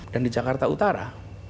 dan di jakarta utara